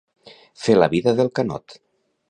Fer la vida del canot.